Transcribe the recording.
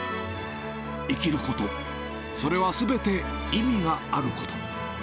生きること、それはすべて意味があること。